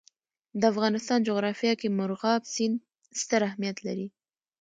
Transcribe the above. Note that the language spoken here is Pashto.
د افغانستان جغرافیه کې مورغاب سیند ستر اهمیت لري.